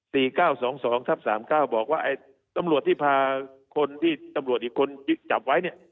เก้าสองสองทับสามเก้าบอกว่าไอ้ตำรวจที่พาคนที่ตำรวจอีกคนจับไว้เนี่ย